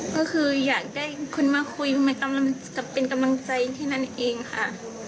ก็คืออยากได้คุณมาคุยมันกำลังเป็นกำลังใจแค่นั้นเองค่ะ